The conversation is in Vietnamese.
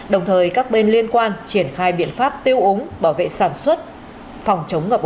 đồng thời các bên liên quan triển khai biện pháp tiêu ống bảo vệ sản xuất phòng chống ngập ống